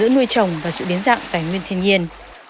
nuôi trồng và sự biến dạng tài nguyên thiên nhiên